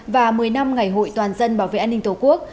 và một mươi năm ngày hội toàn dân bảo vệ an ninh tổ quốc